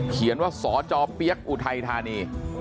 เขียนว่าสจเปี๊ยกอุทัยธานี